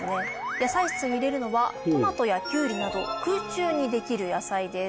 野菜室に入れるのはトマトやキュウリなど空中にできる野菜です。